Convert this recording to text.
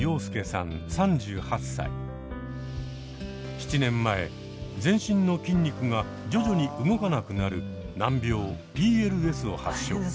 ７年前全身の筋肉が徐々に動かなくなる難病ＰＬＳを発症。